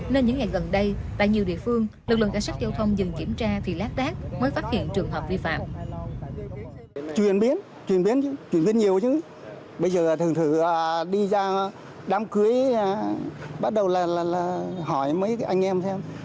lực lượng cảnh sát giao thông dừng kiểm tra thì lát đát mới phát hiện trường hợp vi phạm